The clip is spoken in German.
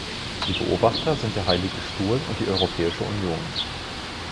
Die Beobachter sind der Heilige Stuhl und die Europäische Union.